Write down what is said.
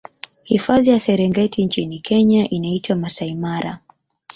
hifadhi ya serengeti nchini kenya inaitwa masai mara